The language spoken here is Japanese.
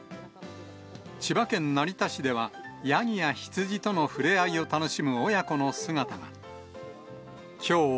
千葉県成田市では、ヤギや羊との触れ合いを楽しむ親子の姿が。